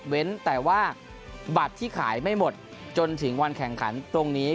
แต่ว่าบัตรที่ขายไม่หมดจนถึงวันแข่งขันตรงนี้